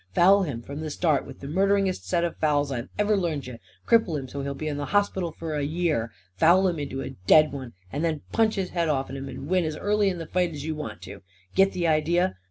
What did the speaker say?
Foul him from the start, with the murderingest set of fouls I've ever learned you. Cripple him so he'll be in the hosp'tal a year. Foul him into a dead one; and then punch his head off'n him and win as early in the fight as you want to. Git the idee?